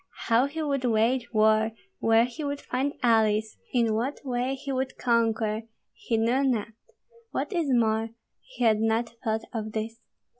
How he would wage war, where he would find allies, in what way he would conquer, he knew not, what is more, he had not thought of this.